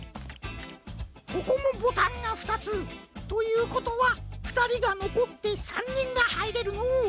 ここもボタンがふたつ。ということはふたりがのこって３にんがはいれるのう。